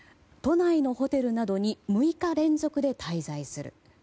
都内のホテルなどに６日連続で滞在する。